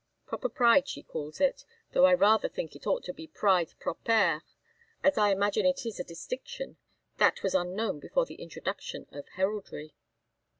_ Proper pride she calls it, though I rather think it ought to be pride proper, as I imagine it is a distinction that was unknown before the introduction of heraldry.